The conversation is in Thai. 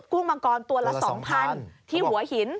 กุ้งมังกรตัวละสองพันที่หัวหิน